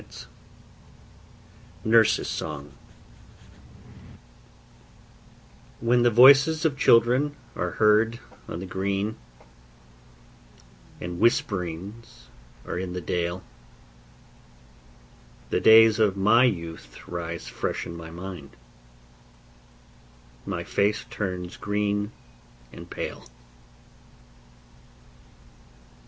NURSE'S SONG When the voices of children are heard on the green, And whisperings are in the dale, The days of my youth rise fresh in my mind, My face turns green and pale.